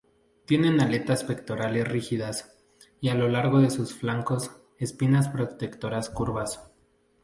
Tienen aletas pectorales rígidas; y a lo largo de sus flancos, espinas protectoras curvas.